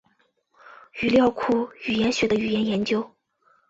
语料库语言学的语言研究。